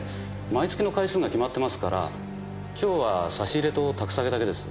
毎月の回数が決まってますから今日は差し入れと宅下げだけです。